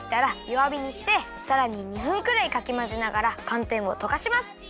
わびにしてさらに２分くらいかきまぜながらかんてんをとかします。